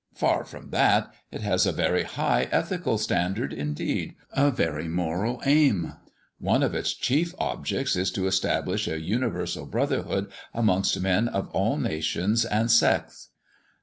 Far from that; it has a very high ethical standard indeed a very moral aim. One of its chief objects is to establish a universal brotherhood amongst men of all nations and sects."